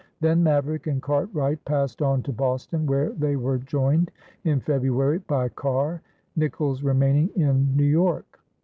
Then Maverick and Cartwright passed on to Boston, where they were joined in February by Carr, Nicolls remaining in New York.